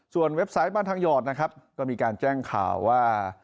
เว็บไซต์บ้านทางหยอดนะครับก็มีการแจ้งข่าวว่า